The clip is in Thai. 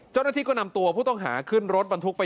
เจ้าหน้าที่ก็นำตัวผู้ต้องหาขึ้นรถบรรทุกไป